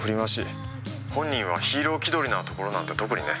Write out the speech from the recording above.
「本人はヒーロー気取りなところなんて特にね」